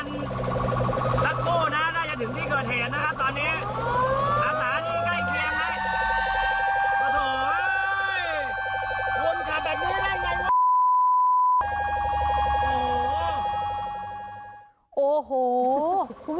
น่าจะถึงที่เกิดเหตุนะฮะตอนนี้อาสานี่ใกล้เครียมไหม